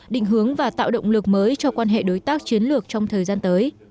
định hướng và tạo động lực mới cho quan hệ đối tác chiến lược trong thời gian tới